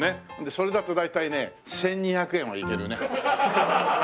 それだと大体ね１２００円はいけるね。